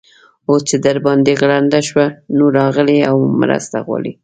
اوس چې در باندې غرنده شوه؛ نو، راغلې او مرسته غواړې.